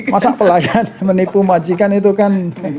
masa pelayan menipu majikan itu kan